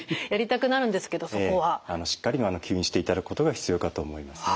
しっかり吸引していただくことが必要かと思いますね。